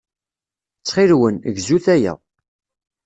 Ttxil-wen, gzut aya.